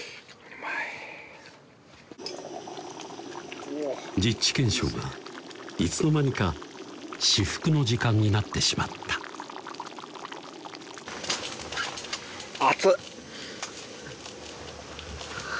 うまい実地検証がいつの間にか至福の時間になってしまった熱っ！